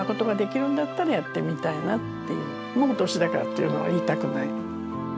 もう年だからっていうのは言いたくない。